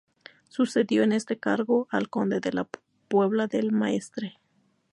Sucedió en este cargo al conde de la Puebla del Maestre.